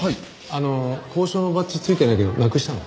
あの校章のバッジついてないけどなくしたの？